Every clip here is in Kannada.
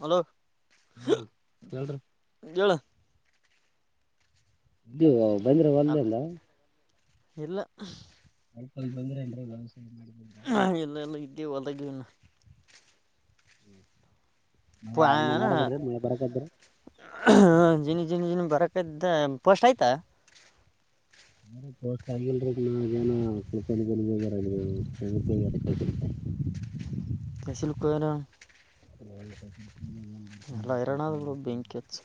ಹಲೋ ಹ ಹೇಳ್ರಿ ಹೇಳ ಇದ ಬಂದ್ರೆ ಅಲ್ಲ ಒಂದಲ್ಲ ಇಲ್ಲ ಬಂದೆ ಅಂದ್ರೆ ಲಾಸ್ ಇಲ್ಲ ಇಲ್ಲ ಇದ್ದಿ ಹೊಲದಾಗ [inaudible] ಮಳೆ ಇನ್ನ ನಡದ್ರಿ ಮಳೆ ಬರಕದ್ರ [unintelligible] ಜಿನ್ ಜಿನ್ ಬರ್ಕದ ಪೋಸ್ಟ್ ಆಯ್ತ ಪೋಸ್ಟ್ ಆಗಿಲ್ರಿ [unintelligible] [inaudible] ಸ್ಪೆಷಲ್ ಪ್ರೋಗ್ರಾಮ್ [unintelligible] ಎಲ್ಲ ಈರಣ್ಣ ಬೆಂಕಿ ಹಚ್ಚಿ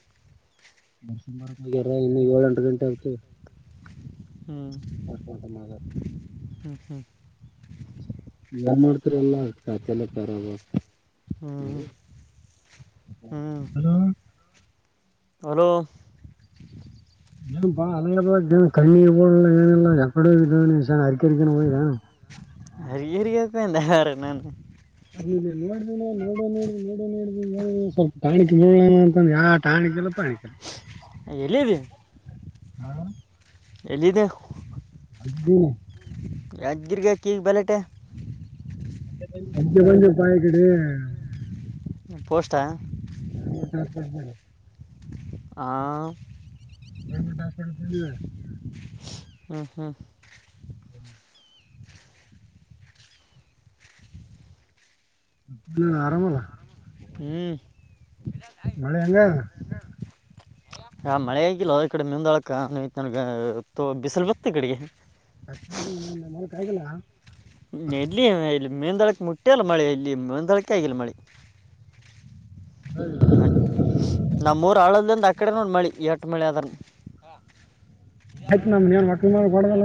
ಇನ್ನು ಏಳು ಎಂಟು ಗಂಟೆ ಆಗ್ತುತೆ ಹ್ಮ್ ಹ್ಮ ಹ್ಮ್ ಏನ್ ಮಾಡ್ತೀರಾ ಎಲ್ಲಾ ಕತ್ಲೆಲ್ಲೆ ತರೋದು ಹ್ಞೂ ಹ್ಞೂ ಹಲೋ ಹಲೋ ಏನಪ್ಪಾ ಆರಾಮಾದಿಯಾ ಕಣ್ಣಿಗೆ ಬಡ ಏನಿಲ್ಲ ಯಾಕಡೆ ಹೋಗಿದೀಯ ಅರಕೆರೆಗೆ ಹೋಗಿದ್ಯಾ [unintelligible] ನಾನು ಅದ ನೋಡಿನಾ ನೋಡ ನೋಡ ನೋಡ ನೋಡನೋ ಸ್ವಲ್ಪ [unintelligible] ಯಾವ ಟಾನಿಕ್ ಇಲಪ್ಪ ಎಲ್ಲಿದ್ದಿ ಹಾ ಎಲ್ಲಿದ್ದೆ ಯಾದಗಿರಿ ಯಾದಗಿರಿಗೆ ಯಾಕೆ ಈಗ ಬೆಲಾಟೆ ಅದಿಕ್ಕೆ ಬಂದೆಪಾ ಈಕಡೆ ಪೋಸ್ಟ [unintelligible] ಆ ಗೌರ್ಮೆಂಟ್ ಹಾಸ್ಪಿಟಲ್ ಬಂದು ಗೌರ್ಮೆಂಟ್ ಹಾಸ್ಪಿಟಲ್ ಹ್ಮ್ಮ್ ಹ್ಮ್ [unintelligible] ಹ್ಮ ಆರಾಮಲ್ಲ ಹ್ಮ್ ಮಳೆ ಹೆಂಗ ಹಾ ಮಳೆ ಆಗಿಲ್ಲ ಈ ಕಡೆ ಮುಂದಾಳಕ ನನ್ಗ ಬಿಸಿಲ್ ಬತ್ತ ಈ ಕಡೆಗೆ ಕ ಮಲಕ ಆಯಗಲ್ಲ. [inaudible] ಮುಟ್ಟ್ಯಲ್ಲ ಮಳೆ ಇಲ್ಲಿ ಮುಂದಳಕೆ ಆಗಿಲ್ಲ ಮಳೆ. ನ ನಮ್ಮೂರು ಆಳದಂದ. ಈ ಕಡೆನೋ ಮಳೆ ಎಟು ಮಳೆ ಆದದ್ರನು. ಆಯ್ತು ನಮ್ ಮಕ ಮಾಡ ಬಲ್ಲ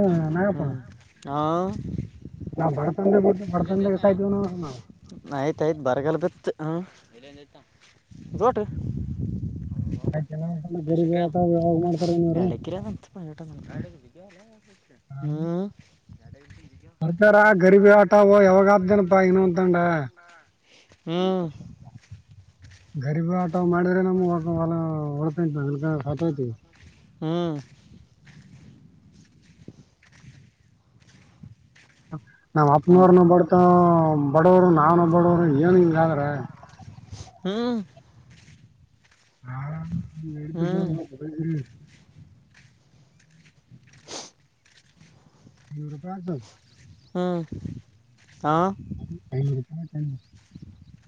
ಹ್ಞೂ ನಾಗಪ್ಪಡ ಹಾಂ ಬಡತನದಲ್ಲೇ ಹುಟ್ಟಿ ಬಡತನದಲ್ಲೇ ಸಾವುತೀನಿ ನಾವ್ ಆಯ್ತ್ ಬರಗಲ್ದಾತ ನೋಡ್ರಿ ಅಂತಂದ್ರೆ ಎಷ್ಟು ಗರೀಬಿ ಎಕ್ರೆ ಆಟ ಯಾವಾಗ ಮಾಡ್ತಾರೆ ಇವ್ರು ಎರಡು ಎಕರೆ ಆಯ್ತಪ್ಪ ಹ್ಮ ಸರ್ಕಾರ ಗರೀಬಿ ಆಟವು ಯಾವಾಗ ಆಗ್ತೇನಪ್ಪ ಇನ್ನೊಂದು ತಂಡ ಹ್ಮ [inaudible] ಗರಿಬ ಆಟ ಮಾಡಿದ್ರೆ ನಮ್ ಹೊಲ ಉಳತೀವಿ ಇಲ್ಲ ಸತೋಗ್ತಿವಿ ಹ್ಮ್ಮ್ ನಮ್ಮ್ ಹ್ಞೂ ಅಪ್ಪನವ್ರನ ಬಡ್ತ ಬಡವರು ನಾನು ಬಡವರು ಏನ್ ಹಿಂಗಾದ್ರೆ [inaudible] ಹಾ ಹಾ. ಹ್ಞೂ [unintelligible] [unintelligible] ಹಾ ಐನೂರುಪಾಯ. [inaudible]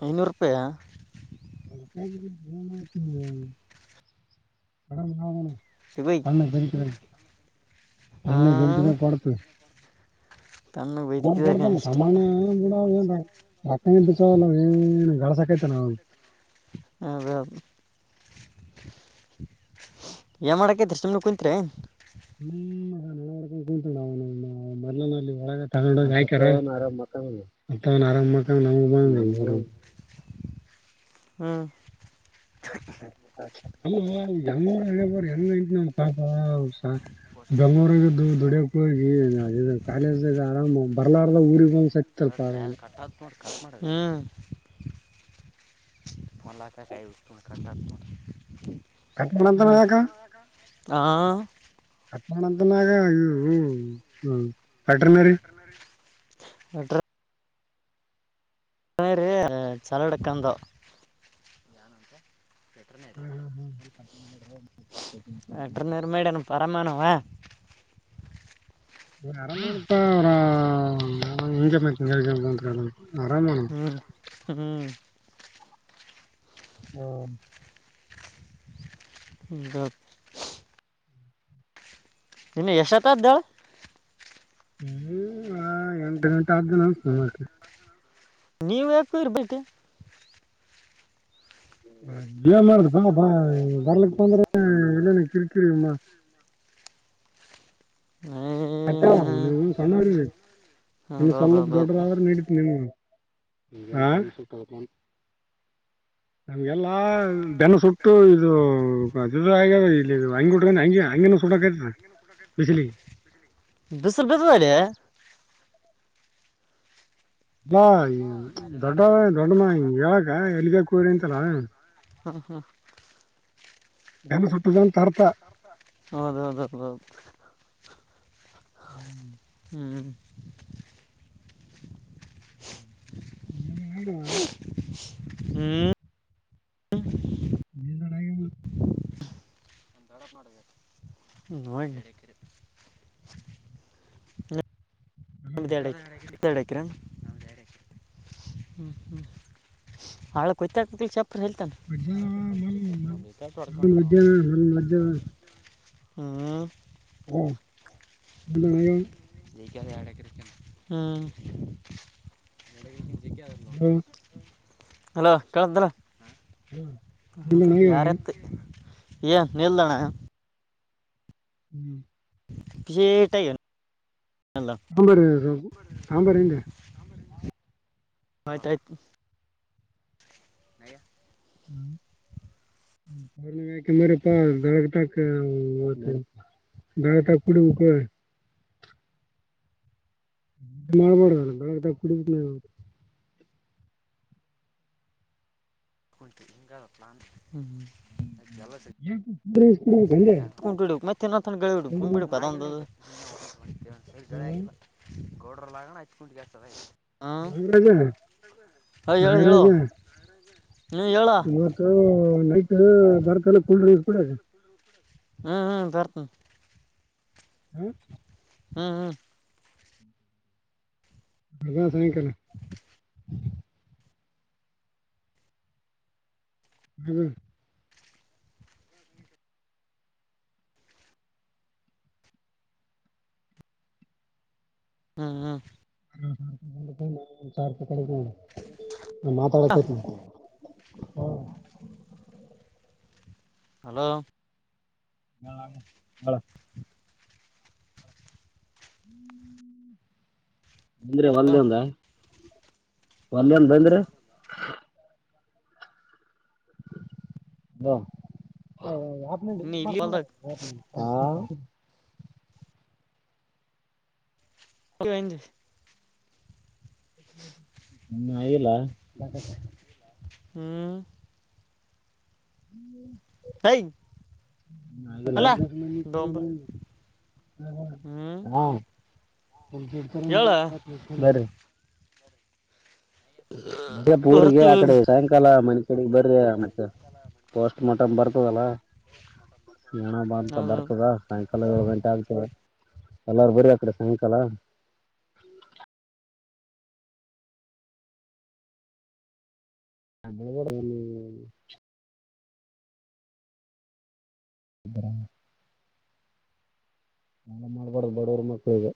ಇನ್ನೂರುಪಾಯ. ಕ. [unintelligible] ಸಿಗೋಯ್ ಸಣ್ಣ ಬಕ. [unintelligible] ತಣ್ಣೆ ಹಾಂ ಬೆಳಿಕದ ಕೊಡತ. ತಣ್ಣಗೆ ನ ಬೈದಿಕ್ಕಿದಾಗ ಕೊಡ್ತೇ ಅಷ್ಟೇ ಸಾಮಾಡ ಏನ. ರಕಲ್ಲ ಏನ್ ಗಾಳಸಕೈತೆ ನಾ. ಅ. ಏನ್ ಮಾಡಕತ್ತಿ ಸುಮ್ನೆ ಕೂತಿರ. ಹ್ಮ್ ನವ ಕುಂತ ನ ಮಲ್ಲಿ. ಗಾಯಕರ ಮ ಆರಾಮ. [unintelligible] ಹ್ಮ. ಗರು ಎಂಗ ನಪ. ಬೆಂಗಳೂರ್ಗಿದ್ದು ದುಡಿಯಕ್ಕೆ ಹೋಗಿ ಕಾಲೇಜ್ ಆರಾಮ ಬರ್ಲ. ಕಟ್ಟತ್ ಮಾಡ ಕ ಮಾಡ ಹೂ. ಫನ್ಲತಾಯಸ್ತ. [unintelligible] ಕಟ್ಟಮಾಡ್ತಾನ ಯಾಕ. ಹಾ. ಕಟ್ ಮಾಡಂತನಾಗ ಹ್ಮ್ ಹ್ಮ್. ವೆಟರ್ನರಿ [unintelligible] [unintelligible] ಹ್ಮ್ ಹ್ಮ್ ಹ್ಮ್. ಅಟ್ರನರ್ ಮೇಡಾನ ಪರಮಾನವಾ. [unintelligible] ಅರಮನ. ಹ್ಮ್ ಹ್ಮ್. ಹ್ಮ ದತ್ತು. [unintelligible] ನೀ ಎಷ್ಟು ಹೊತ್ತು ಅದು. ಹ್ಮ್ ಆ ಎಂಟು ಗಂಟು ಅದೇನೋ. ನೀವು [unintelligible] ಇರ್ಬಟ್ಟ. ಹ್ಮ. ಇಲ್ಲೇನ ಕಿರಿಕಿರಿ ಮ- [unintelligible] [unintelligible] ಹಾ [unintelligible] ಹೌದೌದೌದು ನಮ್ಗೆಲ್ಲಾ. ಬೆನ ಸುಟ್ಟು ಇದು ಆಗ್ಯ ಇಲ್ಲಿ ಹಂಗಿ ಹ ಹಂಗನ ಸುಟ್ಟಕತ. ಬಜಲಿ. ಬಿಸಲ್ ಬಿಸುವ ರ. ದೊಡ್ಡ ದೊಡ್ಡಮ್ಮ ಹಿಂಗ ಹೇಳಕ ಎಲ್ಲಿಗ ಕೂರಿಂತಲ್ಲ. ಹಾ ಹಾ. ಜನ ಟ್ಟ ಜ ತ. ಹೌದ ಹೌದ ಹೌದು ಹೌ. ಹ್ಮ್. ಹ್ಮ್. [inaudible] ಇನ್ನರ. ಹ್ಮ್. [unintelligible] [unintelligible] [inaudible] [unintelligible] ಎರಡು ಎಕ್ರೆ ನಮ್ದ್ ಎರಡ್ ಎಕ್ರೆ ಹುಂ ಹುಂ [unintelligible] [unintelligible] ಹಾ. [unintelligible] [unintelligible] [unintelligible] Hello ಕೇಳಂತಿಲ್ಲ [unintelligible] A ನೀಲಣ್ಣ. ಹ್ಮ್. [unintelligible] ತಂಬರೆ [unintelligible] ತಂಬಾರೆಂಗೆ. ಆಯ್ತಾಯ್ತು. [unintelligible] ಹ್ಮ್. [unintelligible] [unintelligible] ಮಾಡ್ಬೋಡ ಬೆಳಗಾಗ ಕುಡ. [unintelligible] [unintelligible] ಕೂಲ್ ಡ್ರಿಂಕ್ಸ್ ಕುಡಿಬೇಕು ಸರಿ ಹಂಗೆ ಕುಂಟು ಹಡುಕ್ ಮತ್ತ ತಿನ್ನತ್ತ ಗಳ ಹಿಡುಕ್ ಕೂಲ್ [unintelligible] ಬಿಡುು ಅದೊಂದುದು. ಸ ಜಳೆ ಡ್ರಿಂಕ್ಸ್ ಆಗಿಲ್ಲ ಗೌಡ್ರ ಲಾಗಣ. [unintelligible] ನಾಗರಾಜ ಹಾಂ ಹೇಳು ಹೇಳು ನಾಗರಾಜ ನೀ ಹೇಳ ಇವತ್ತು ನೈಟ್. [unintelligible] ಹ್ಮ್ ಹ್ಮ್ ಬರ್ತ ಹ್ಮ. ಹ್ಮ್ ಹ್ಮ್. [unintelligible] ಹ್ಮ್. ಹ್ಮ ಹಾ. [unintelligible] ನಾ ಹಾಂ ಮಾತಾಡಕತೀನಿ. ಹ್ಮ. ಹಲೋ. ಹಲೊ ಅಂದ್ರೆ ಹಲೋ ಒಲ್ದೇ [unintelligible] ಎಂದ. ಒಲ್ಯಮ ಬಂದ್ರ [unintelligible] ಹಲೋ [unintelligible] ನೀ ಮ ಇಲ್ಲಿ ಹೊಲ್ದಾಗ [inaudible] [unintelligible] ಇನ್ನ ಹಾಗಿಲ್ಲ. [unintelligible] ಹ್ಮ. [inaudible] ಹೈ. ಇನ್ನ ಆಗಿಲ್ಲ ಅಲ್ಲ ಡೊಂಬ ಹ್ಞೂ [unintelligible] ಹಾ ಹೇಳ [unintelligible] ಬರಿ. ಮದ್ಯಾ ಪೂರಿಗೆ ಬರ್ತೀವಿ ಆಕಡೆ ಸಾಯಂಕಾಲ ಕಡೆ ಬರ್ರಿ ಮತ್ತ ಪೋಸ್ಟ್ ಮಾರ್ಟಮ್ ಬರ್ತದಲ್ಲ ಜಣ ಬ ಅಂತ ಅದು ಬರ್ತದ ಸಾಂ [unintelligible] ಎಳ್ ಗಂಟೆ ಆಗ್ತದೆ ಎಲ್ಲಾರ ಬರಿ ಆ ಕಡೆ ಸಾಯಂಕಾಲ. ಅನ್ನೇ ಕೊಲ್ಲ [unintelligible] ಬರ [unintelligible] ನಲ್ಲ ಮಾಡ್ಬಾರ್ದು ಬಡವರ್ ಮಕ್ಳಿಗೆ.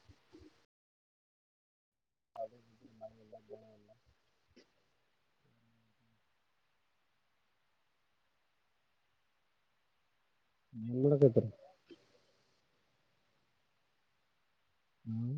ಅ [inaudible] ವುದೇ ನಮ್ಮಳ ಎತ್ರ [unintelligible] ಹ್ಮ್